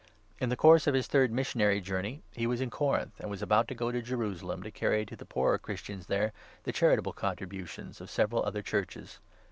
In the course of his third missionary journey he was in Corinth, and was about to go to Jerusalem to carry to the poorer Christians there the charitable contributions of several other Churches.